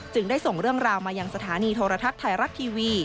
จึงได้ส่งอบเรื่องราวมายังสถานีธรรรษทัยรัตน์ทีวี